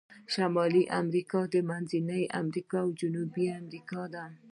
شمالي امریکا، منځنۍ امریکا او جنوبي امریکا دي.